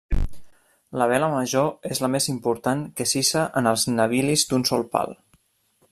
La vela major és la més important que s'hissa en els navilis d'un sol pal.